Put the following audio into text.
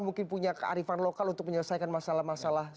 mungkin punya kearifan lokal untuk menyelesaikan masalah masalah